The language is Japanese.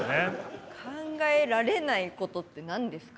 「考えられないこと」って何ですか？